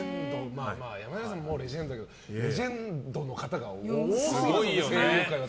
山寺さんもレジェンドだけどレジェンドの方が多すぎますよ、声優界は。